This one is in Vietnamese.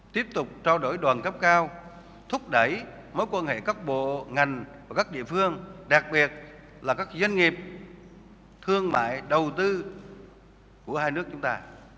tiếp tục trao đổi đoàn cấp cao thúc đẩy mối quan hệ các bộ ngành và các địa phương đặc biệt là các doanh nghiệp thương mại đầu tư của hai nước chúng ta